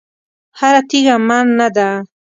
هره تېږه من نه ده.